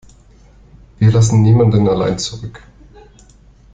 Wir lassen niemanden allein zurück.